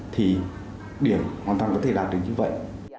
thì điểm hoàn toàn có thể đạt được như vậy